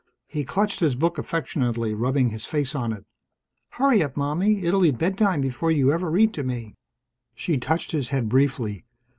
He clutched his book affectionately, rubbing his face on it. "Hurry up, Mommie. It'll be bedtime before you ever read to me!" She touched his head briefly.